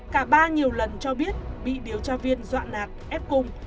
cả ba nhiều lần cho biết bị điều tra viên dọa nạt ép cung